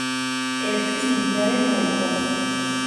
ერთვის მდინარე მაიპოს.